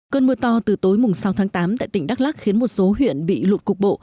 cơn mưa to từ tối sáu tháng tám tại tỉnh đắk lắc khiến một số huyện bị lụt cục bộ